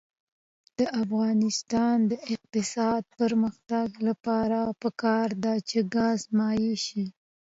د افغانستان د اقتصادي پرمختګ لپاره پکار ده چې ګاز مایع شي.